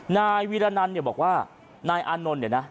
นายวีรนันเนี่ยบอกว่านายอานนท์เนี่ยนะ